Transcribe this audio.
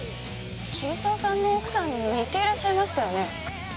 桐沢さんの奥さんに似ていらっしゃいましたよね。